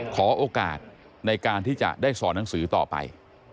ขอโอกาสในการที่จะได้สอนหนังสือต่อไป